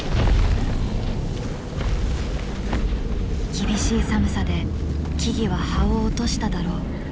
厳しい寒さで木々は葉を落としただろう。